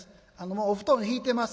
もうお布団ひいてます